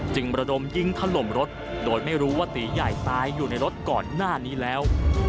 ระดมยิงถล่มรถโดยไม่รู้ว่าตีใหญ่ตายอยู่ในรถก่อนหน้านี้แล้ว